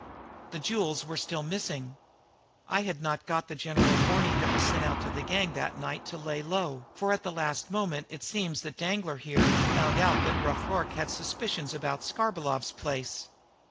The jewels were still missing. I had not got the general warning that was sent out to the gang that night to lay low, for at the last moment it seems that Danglar here found out that Rough Rorke had suspicions about Skarbolov's place."